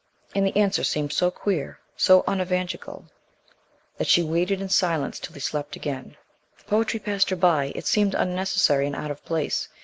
And the answer seemed so queer, so "un evangelical," that she waited in silence till he slept again. The poetry passed her by. It seemed unnecessary and out of place.